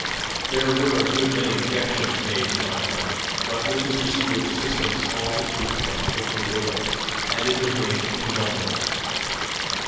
There were a good many objections made to my plan, but with Mr. Seward's assistance, all its weak points were cleared away, and it was made invulnerable.